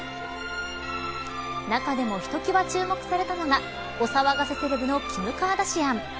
中でもひときわ注目されたのがお騒がせセレブのキム・カーダシアン。